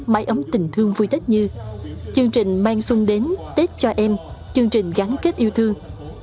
máy ấm tình thương vui tết như chương trình mang xuân đến tết cho em chương trình gắn kết yêu thương